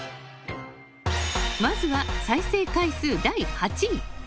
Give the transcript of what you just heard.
まずは再生回数、第８位。